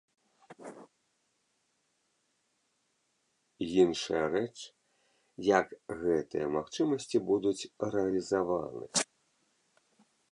Іншая рэч, як гэтыя магчымасці будуць рэалізаваны.